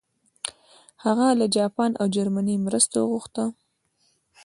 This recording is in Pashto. هغه له جاپان او جرمني مرسته وغوښته.